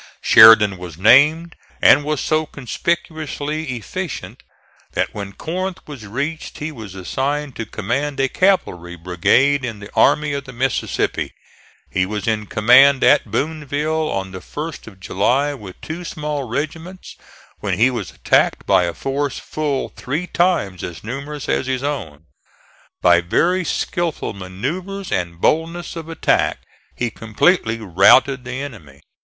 Sheridan was named; and was so conspicuously efficient that when Corinth was reached he was assigned to command a cavalry brigade in the Army of the Mississippi. He was in command at Booneville on the 1st of July with two small regiments, when he was attacked by a force full three times as numerous as his own. By very skilful manoeuvres and boldness of attack he completely routed the enemy.